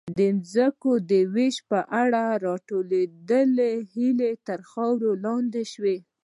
د ځمکو د وېش په اړه راټوکېدلې هیلې تر خاورې لاندې شوې.